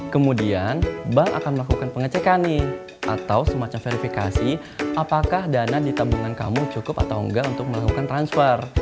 kemudian bank akan melakukan pengecekan nih atau semacam verifikasi apakah dana di tabungan kamu cukup atau enggak untuk melakukan transfer